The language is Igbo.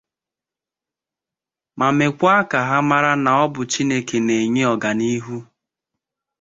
ma mekwa ka ha mara na ọ bụ Chineke na-enye ọganihu.